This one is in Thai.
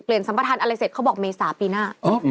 สัมปทานอะไรเสร็จเขาบอกเมษาปีหน้า